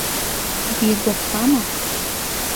Бигәаԥхама?